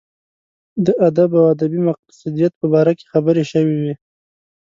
د ادب او ادبي مقصدیت په باره کې خبرې شوې وې.